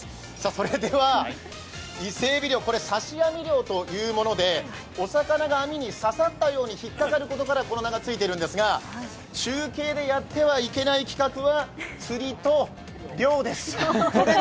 それでは伊勢えび、これ、刺し網漁というものでお魚が網に刺さったように引っかかることからこの名がついているんですが、中継でやってはいけない企画は、釣りと漁です。